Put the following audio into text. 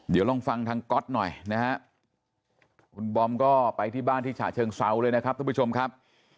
เดี๋ยวลองฟังทางก๊อตหน่อยนะฮะคุณบอมก็ไปที่บ้านที่ฉะเชิงเซาเลยนะครับทุกผู้ชมครับ